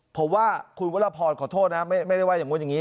เพราะว่าคุณวัรพรขอโทษนะไม่ได้ไว้อย่างนู้นแบบนี้